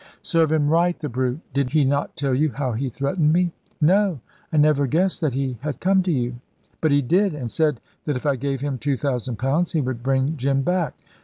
"Serve him right, the brute. Did he not tell you how he threatened me?" "No; I never guessed that he had come to you." "But he did, and said that if I gave him two thousand pounds he would bring Jim back.